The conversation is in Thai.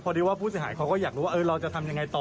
ดีว่าผู้เสียหายเขาก็อยากรู้ว่าเราจะทำยังไงต่อ